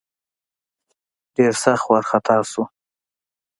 ډېر سخت وارخطا سو.